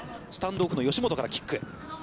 スタンドオフの吉本からキック。